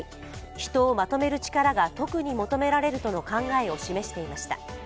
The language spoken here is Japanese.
人をまとめる力が特に求められるとの考えを示していました。